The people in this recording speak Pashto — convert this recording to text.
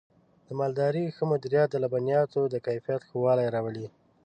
د مالدارۍ ښه مدیریت د لبنیاتو د کیفیت ښه والی راولي.